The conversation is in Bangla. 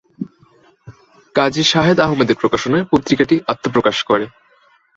কাজী শাহেদ আহমেদের প্রকাশনায় পত্রিকাটি আত্মপ্রকাশ করে।